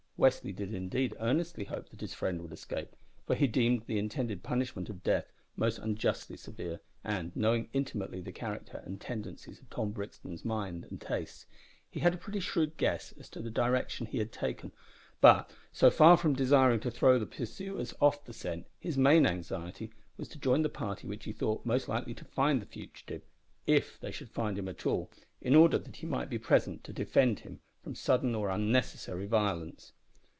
Westly did indeed earnestly hope that his friend would escape; for he deemed the intended punishment of death most unjustly severe, and, knowing intimately the character and tendencies of Tom Brixton's mind and tastes, he had a pretty shrewd guess as to the direction he had taken, but, so far from desiring to throw the pursuers off the scent his main anxiety was to join the party which he thought most likely to find the fugitive if they should find him at all in order that he might be present to defend him from sudden or unnecessary violence.